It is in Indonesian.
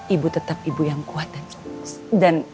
ibu tetap ibu yang kuat aja